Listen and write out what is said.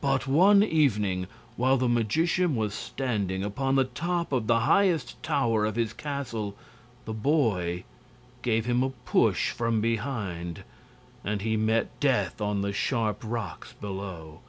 But one evening, while the magician was standing upon the top of the highest tower of his castle, the boy gave him a push from behind, and he met death on the sharp rocks below.